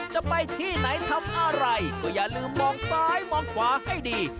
จะไปที่ไหนทำอะไรก็อย่าลืมมองซ้ายมองขวาให้ดี